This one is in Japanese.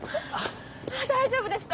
大丈夫ですか？